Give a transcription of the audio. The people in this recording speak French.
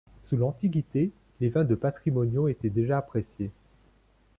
Sous l'Antiquité, les vins de Patrimonio étaient déjà appréciés.